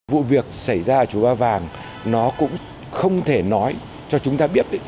vụ việc xảy ra ở chùa ba vàng nó cũng không thể nói cho chúng ta biết